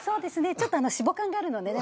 ちょっとシボ感があるのでね